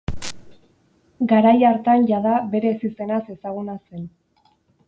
Garai hartan jada bere ezizenaz ezaguna zen.